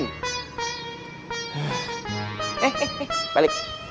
eh eh eh balik